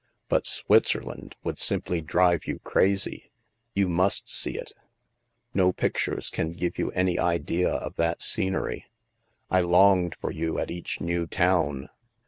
But Switzer land would simply drive you crazy ! You must see it ! No pictures can give you any idea of that scen ery. I longed for you at each new town